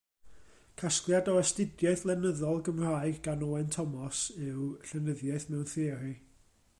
Casgliad o astudiaeth lenyddol, Gymraeg gan Owen Thomas yw Llenyddiaeth Mewn Theori.